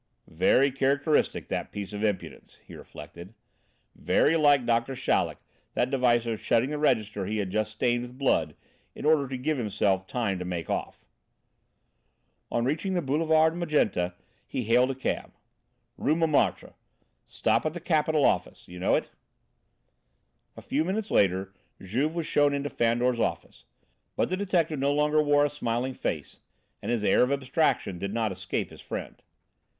"Very characteristic, that piece of impudence," he reflected; "very like Doctor Chaleck that device of shutting the register he had just stained with blood in order to give himself time to make off!" On reaching the Boulevard Magenta he hailed a cab. "Rue Montmartre. Stop at the Capital office. You know it?" A few minutes later Juve was shown into Fandor's office. But the detective no longer wore a smiling face, and his air of abstraction did not escape his friend.